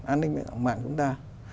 an ninh mạng chúng ta